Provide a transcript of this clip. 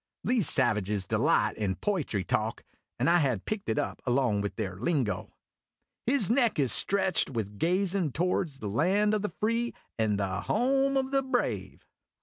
(These savages delight in poitry talk, and I had picked it up along with their lingo.) " His neck is stretched with gazin' to wards the land o' the free and the home o' the brave